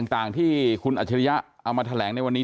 ต่างที่คุณอัจฉริยะเอามาแถลงในวันนี้